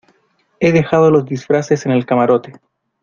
he dejado los disfraces en el camarote.